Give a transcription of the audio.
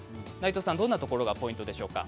どんなところがポイントでしょうか。